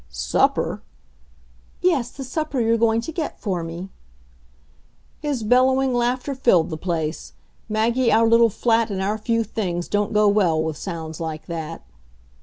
"Supper!" "Yes, the supper you're going to get for me." His bellowing laughter filled the place. Maggie, our little flat and our few things don't go well with sounds like that.